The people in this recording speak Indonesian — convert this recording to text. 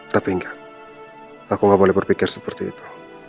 tapi enggak aku gak boleh berpikir seperti itu